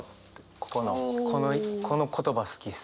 ここのこの言葉好きです。